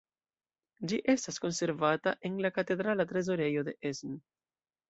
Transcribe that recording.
Ĝi estas konservata en la katedrala trezorejo de Essen.